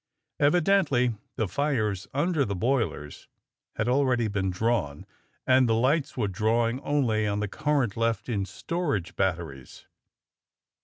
Evidently the fires under the boilers had already been drawn, and the lights were drawing only on the current left in storage batteries.